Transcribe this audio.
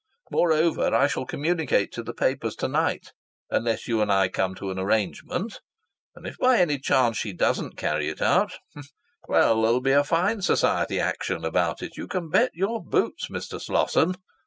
Moreover, I shall communicate it to the papers to night unless you and I come to an arrangement. And if by any chance she doesn't carry it out well, there'll be a fine society action about it, you can bet your boots, Mr. Slosson."